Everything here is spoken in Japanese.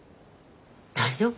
大丈夫？